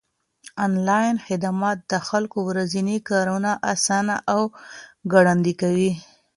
انلاين خدمات د خلکو ورځني کارونه آسانه او ګړندي کوي.